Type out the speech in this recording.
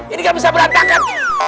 ini gak bisa berantakan